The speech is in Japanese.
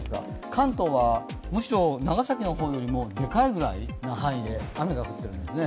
関東はむしろ長崎の方よりもでかいぐらいで雨が降っているんですね。